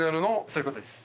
そういうことです。